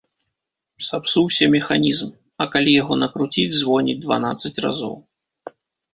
Сапсуўся механізм, а калі яго накруціць звоніць дванаццаць разоў.